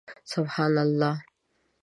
سبحان الله